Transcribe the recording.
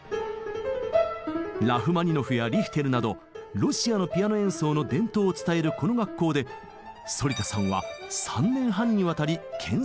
ラフマニノフやリヒテルなどロシアのピアノ演奏の伝統を伝えるこの学校で反田さんは３年半にわたり研さんを積みました。